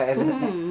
うん。